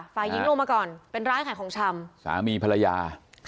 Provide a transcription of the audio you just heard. ฝ่ายหญิงลงมาก่อนเป็นร้านขายของชำสามีภรรยา